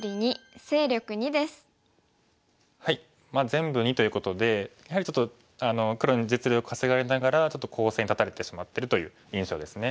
全部２ということでやはりちょっと黒に実利を稼がれながらちょっと攻勢に立たれてしまってるという印象ですね。